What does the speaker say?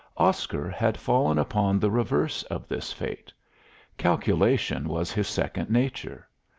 Oscar had fallen upon the reverse of this fate. Calculation was his second nature.